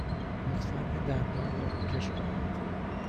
لطفاً این دندان را روکش کنید.